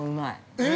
◆えっ！？